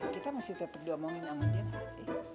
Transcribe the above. kita masih tetep diomongin sama dia gak sih